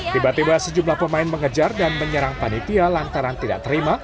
tiba tiba sejumlah pemain mengejar dan menyerang panitia lantaran tidak terima